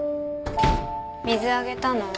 水あげたの？